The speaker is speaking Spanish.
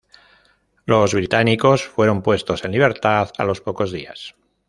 Los británicos fueron puestos en libertad a los pocos días.